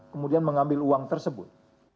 kemudian mengambil uang tersebut